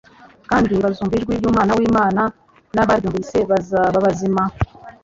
kandi bazumva ijwi ry'Umwana w'Imana n'abaryumvise bazaba bazima"